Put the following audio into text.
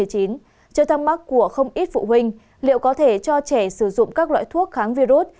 trước thắc mắc của không ít phụ huynh liệu có thể cho trẻ sử dụng các loại thuốc kháng virus